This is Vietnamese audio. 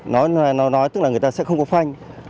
nó nói tức là người ta sẽ không có phanh